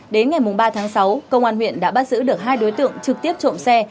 đến ngày ba tháng sáu công an huyện đã bắt giữ được hai đối tượng trực tiếp trộm xe